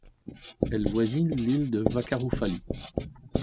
Elle voisine l'île de Vakarufalhi.